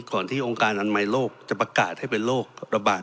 ที่องค์การอนามัยโลกจะประกาศให้เป็นโรคระบาด